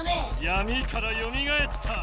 やみからよみがえった！